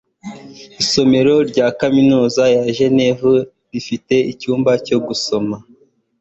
isomero rya kaminuza ya jeneve rifite icyumba cyo gusoma